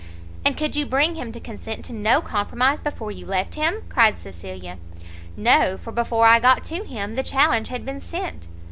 "And could you bring him to consent to no compromise before you left him?" cried Cecilia. "No; for before I got to him the challenge had been sent."